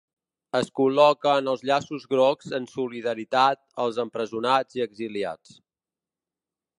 Es col·loquen els llaços grocs en solidaritat als empresonats i exiliats.